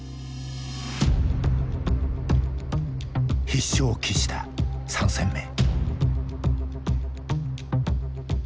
必勝を期した３戦目。